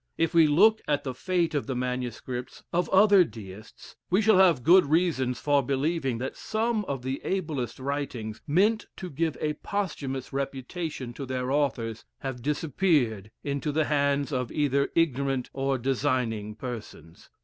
If we look at the fate of the MSS. of other Deists, we shall have good reasons for believing that some of the ablest writings, meant to give a posthumous reputation to their authors, have disappeared into the hands of either ignorant or designing persons.